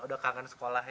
udah kangen sekolah ya